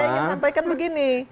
jadi saya ingin sampaikan begini